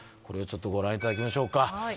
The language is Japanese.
これをちょっとご覧いただきましょうか